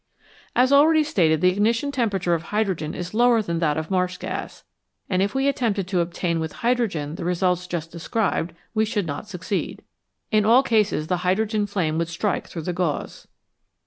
As already stated, the ignition temperature of hydrogen is lower than that of marsh gas, and if we attempted to obtain with hydrogen the results just described, we should not succeed. In all cases the hydrogen flame would strike through the gauze.